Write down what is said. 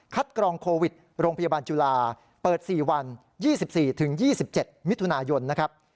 กรองโควิดโรงพยาบาลจุฬาเปิด๔วัน๒๔๒๗มิถุนายนนะครับ